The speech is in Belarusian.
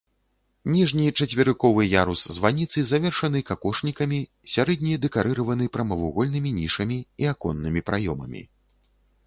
Ніжні чацверыковы ярус званіцы завершаны какошнікамі, сярэдні дэкарыраваны прамавугольнымі нішамі і аконнымі праёмамі.